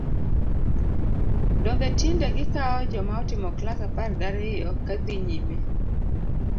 Donge tinde gikawo joma otimo klas apar gariyo ka dhi nyime!